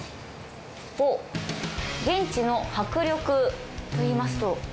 「現地の迫力」といいますと？